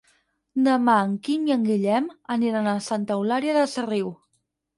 Demà en Quim i en Guillem aniran a Santa Eulària des Riu.